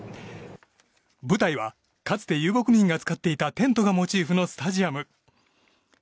舞台は、かつて遊牧民が使っていたテントがモチーフのスタジアム。